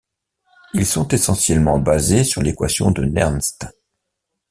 Ils sont essentiellement basés sur l'équation de Nernst.